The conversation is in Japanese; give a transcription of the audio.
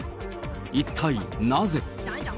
一体なぜ。